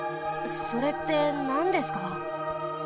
それってなんですか？